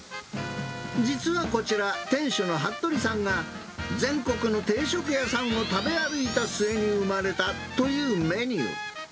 実はこちら、店主の服部さんが全国の定食屋さんを食べ歩いた末に生まれたというメニュー。